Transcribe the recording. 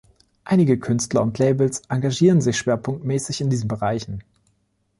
Einige Künstler und Labels engagieren sich schwerpunktmäßig in diesen Bereichen.